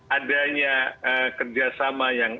adanya kerjasama yang